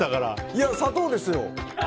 いや、砂糖ですよ。